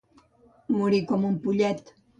Morir com un pollet.